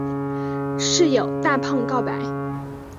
室友大胖告白。